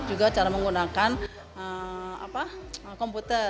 juga cara menggunakan komputer